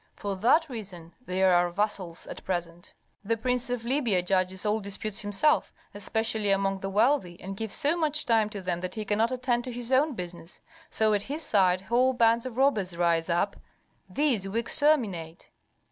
For that reason they are our vassals at present. "The Prince of Libya judges all disputes himself, especially among the wealthy, and gives so much time to them that he cannot attend to his own business. So at his side whole bands of robbers rise up; these we exterminate.